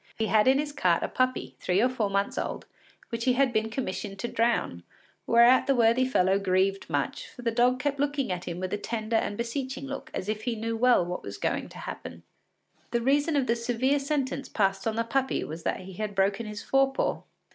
He had in his cart a puppy, three or four months old, which he had been commissioned to drown, whereat the worthy fellow grieved much, for the dog kept looking at him with a tender and beseeching look as if he knew well what was going to happen. The reason of the severe sentence passed on the puppy was that he had broken his fore paw.